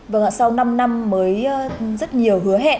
vâng ạ sau năm năm mới rất nhiều hứa hẹn